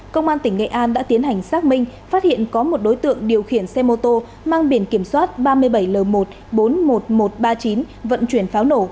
công an tỉnh nghệ an đã tiến hành xác minh phát hiện có một đối tượng điều khiển xe mô tô mang biển kiểm soát nổ